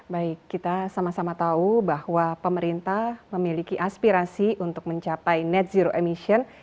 baik kita sama sama tahu bahwa pemerintah memiliki aspirasi untuk mencapai net zero emission